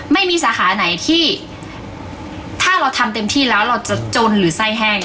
ไม่มีสาขาไหนที่ถ้าเราทำเต็มที่แล้วเราจะจนหรือไส้แห้ง